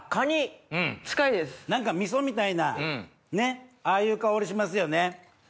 何か味噌みたいなねっああいう香りしますよね。